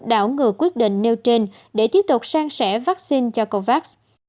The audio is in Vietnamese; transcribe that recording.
đảo ngược quyết định nêu trên để tiếp tục sang sẻ vaccine cho covax